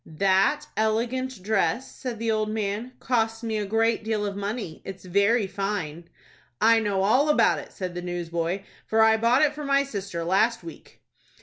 "That elegant dress," said the old man, "cost me a great deal of money. It's very fine." "I know all about it," said the newsboy, "for I bought it for my sister last week."